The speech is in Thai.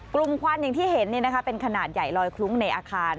ควันอย่างที่เห็นเป็นขนาดใหญ่ลอยคลุ้งในอาคาร